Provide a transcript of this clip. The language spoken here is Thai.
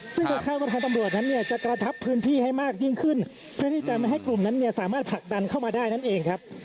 ซึ่งก็คาดว่าทางตำรวจนั้นเนี่ยจะกระชับพื้นที่ให้มากยิ่งขึ้นเพื่อที่จะไม่ให้กลุ่มนั้นเนี่ยสามารถผลักดันเข้ามาได้นั่นเองครับ